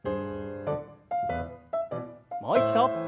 もう一度。